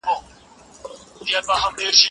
کم معاش لویه ستونزه وه.